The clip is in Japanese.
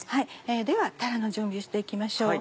ではたらの準備をして行きましょう。